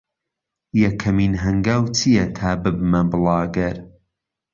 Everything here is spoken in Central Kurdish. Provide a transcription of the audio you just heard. یەکەمین هەنگاو چییە تا ببمە بڵاگەر؟